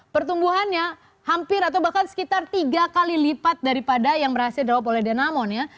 pertumbuhannya hampir atau bahkan sekitar tiga kali lipat daripada yang berhasil dirawat oleh denamon ya